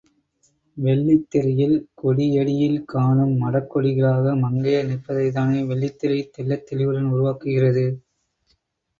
வெள்ளித் திரையில் கொடியடியில் காணும் மடக்கொடிகளாக மங்கையர் நிற்பதைத்தானே வெள்ளித்திரை தெள்ளத்தெளிவுடன் உருவாக்குகிறது.